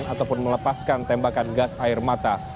ataupun melepaskan tembakan gas air mata